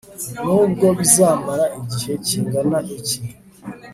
nubwo bizamara igihe kingana iki